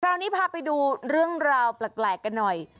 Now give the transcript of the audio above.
คราวนี้พาไปดูเรื่องราวแปลกกันหน่อย